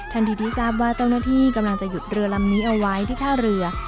ที่ทราบว่าเจ้าหน้าที่กำลังจะหยุดเรือลำนี้เอาไว้ที่ท่าเรือ